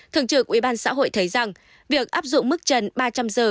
thượng trưởng ubxh thấy rằng việc áp dụng mức trần ba trăm linh giờ